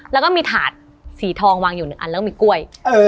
แล้วก็มีถาดสีทองวางอยู่๑อันแล้วมีกล้วย